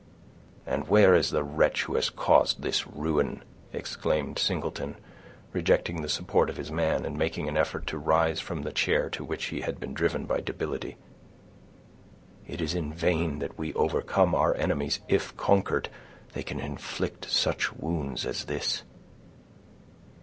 "And where is the wretch who has caused this ruin?" exclaimed Singleton, rejecting the support of his man, and making an effort to rise from the chair to which he had been driven by debility. "It is in vain that we overcome our enemies, if, conquered, they can inflict such wounds as this."